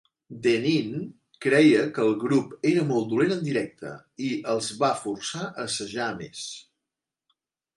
Denneen creia que el grup "era molt dolent en directe" i els va forçar a assajar més.